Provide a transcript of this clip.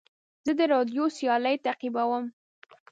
زه د راډیو سیالۍ تعقیبوم.